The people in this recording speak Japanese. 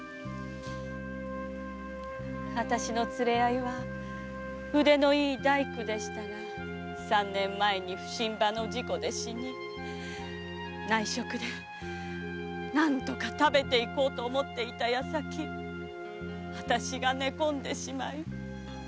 私の連れ合いは腕のいい大工でしたが三年前に普請場の事故で死に内職で何とか食べていこうと思っていた矢先私が寝込んでしまい。